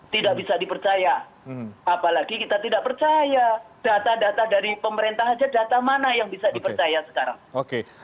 tidak bisa dipercaya apalagi kita tidak percaya data data dari pemerintah saja data mana yang bisa dipercaya sekarang oke